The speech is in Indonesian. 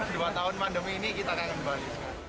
dua tahun pandemi ini kita kangen bali sekali